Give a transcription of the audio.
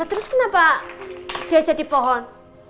terus kenapa dia jadi pohon